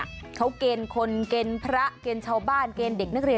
เขาเกณฑ์คนเกณฑ์พระเกณฑ์ชาวบ้านเกณฑ์เด็กนักเรียน